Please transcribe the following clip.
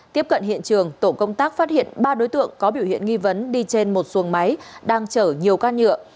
tiếp cận hiện trường tổ công tác phát hiện ba đối tượng có biểu hiện nghi vấn đi trên một xuồng máy đang chở nhiều can nhựa